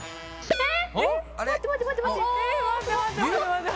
えっ！